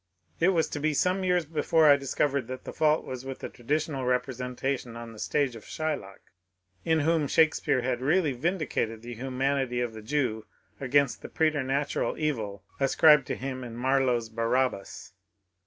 It was to be some years before I discovered that the fault was with the traditional representation on the stage of Shylock, in whom Shakespeare had really vindicated the humanity of the Jew against the preternatural evil ascribed to him in Mar lowe's Barabbas.